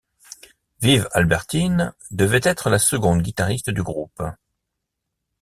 Viv Albertine devait être la seconde guitariste du groupe.